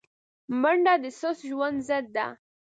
منډه د سست ژوند ضد ده